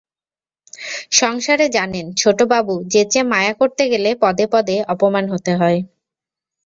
সংসারে জানেন, ছোটবাবু, যেচে মায়া করতে গেলে পদে পদে অপমান হতে হয়।